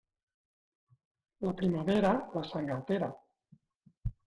La primavera la sang altera.